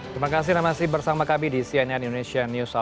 terima kasih namasi bersama kami di cnn indonesia news hour